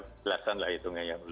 belasan lah hitungnya ya